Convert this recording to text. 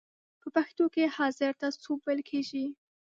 په پښتو کې حاضر ته سوب ویل کیږی.